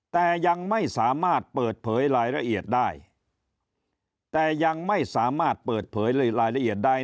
แต่ยังไม่สามารถเปิดเผยรายละเอียดได้